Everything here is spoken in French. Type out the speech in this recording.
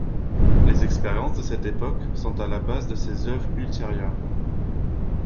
Les expériences de cette époque sont à la base de ses œuvres ultérieures.